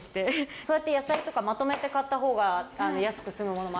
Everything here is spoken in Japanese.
そうやって野菜とかまとめて買ったほうが安く済むものも。